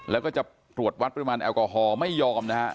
แล้วก็จะตรวจวัดปริมาณแอลกอฮอลไม่ยอมนะฮะ